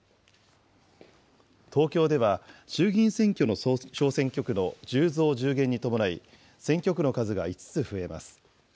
東京では、衆議院選挙の小選挙区の１０増１０減に伴い、選挙区の数が５つ増えます。